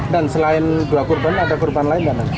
dan selain dua korban ada korban lain kan